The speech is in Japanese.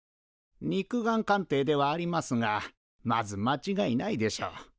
肉眼鑑定ではありますがまずまちがいないでしょう。